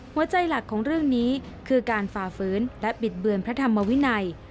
หลักของเรื่องนี้คือการฝ่าฝืนและบิดเบือนพระธรรมวินัย